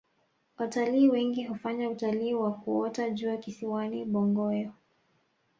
watalii wengi hufanya utalii wa kuota jua kisiwani bongoyo